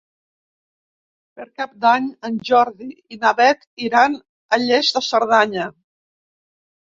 Per Cap d'Any en Jordi i na Beth iran a Lles de Cerdanya.